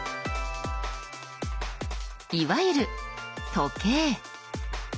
いわゆる時計。